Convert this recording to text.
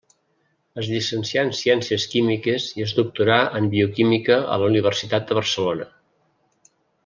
Es llicencià en ciències químiques i es doctorà en bioquímica a la Universitat de Barcelona.